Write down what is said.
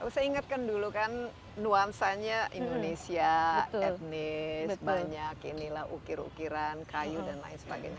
saya ingatkan dulu kan nuansanya indonesia etnis banyak inilah ukir ukiran kayu dan lain sebagainya